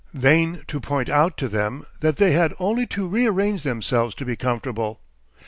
Vain to point out to them that they had only to rearrange themselves to be comfortable.